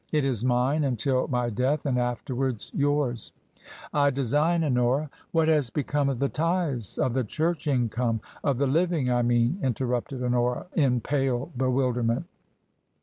It is mine until my death, and afterwards yours. I design, Honora *'" What has become of the tithes ? Of the church income ? Of the Living, I mean ?" interrupted Honora, in pale bewilderment.